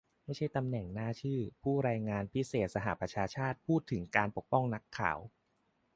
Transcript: ไม่ใช่ตำแหน่งหน้าชื่อ ผู้รายงานพิเศษสหประชาชาติพูดถึงการปกป้องนักข่าว